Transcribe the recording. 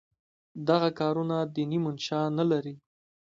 دغه کارونه دیني منشأ نه لري.